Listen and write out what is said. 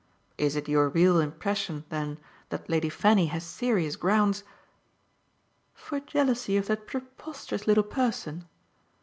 "Is it your real impression then that Lady Fanny has serious grounds " "For jealousy of that preposterous little person?